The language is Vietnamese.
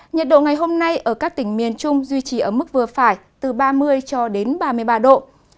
nhiệt độ ngày hôm nay ở các tỉnh miền trung duy trì ở mức vừa phải từ ba mươi cho đến ba mươi ba độ